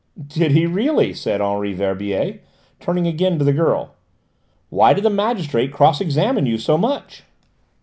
"Did he really?" said Henri Verbier, turning again to the girl. "Why did the magistrate cross examine you so much?"